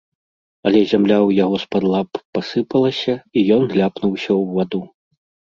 Але зямля ў яго з-пад лап пасыпалася, і ён ляпнуўся ў ваду.